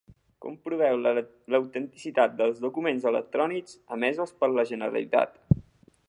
Comproveu l'autenticitat dels documents electrònics emesos per la Generalitat.